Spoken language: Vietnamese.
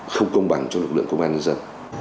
không công bằng cho lực lượng công an nhân dân